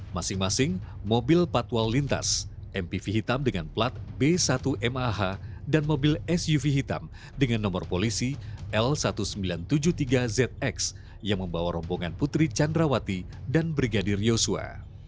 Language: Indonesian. masing masing mobil patwal lintas mpv hitam dengan plat b satu mah dan mobil suv hitam dengan nomor polisi l seribu sembilan ratus tujuh puluh tiga zx yang membawa rombongan putri candrawati dan brigadir yosua